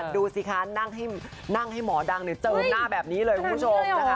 ดูสิคะนั่งให้หมอดังเจิมหน้าแบบนี้เลยคุณผู้ชมนะคะ